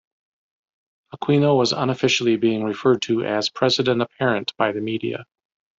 Aquino was unofficially being referred to as "president-apparent" by the media.